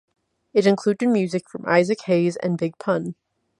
It included music from Isaac Hayes and Big Pun.